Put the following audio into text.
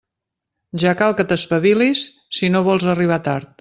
Ja cal que t'espavilis si no vols arribar tard.